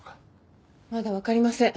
まだわかりません。